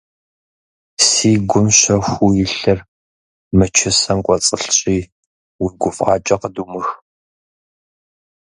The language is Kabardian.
Си гум щэхуу илъыр мы чысэм кӀуэцӀылъщи, уи гуфӀакӀэ къыдумых.